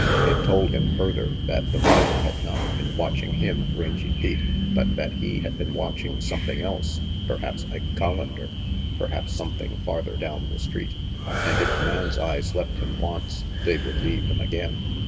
It told him further that the rider had not been watching him, Rangy Pete, but that he had been watching something else, perhaps Ike Collander, perhaps something farther down the street. And if the man's eyes left him once, they would leave him again.